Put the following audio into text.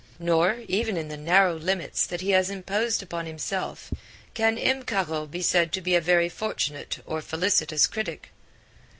Nor, even in the narrow limits that he has imposed upon himself, can M. Caro be said to be a very fortunate or felicitous critic.